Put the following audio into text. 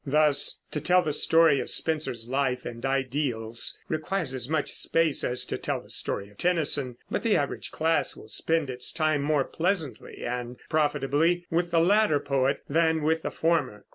Thus, to tell the story of Spenser's life and ideals requires as much space as to tell the story of Tennyson; but the average class will spend its time more pleasantly and profitably with the latter poet than with the former.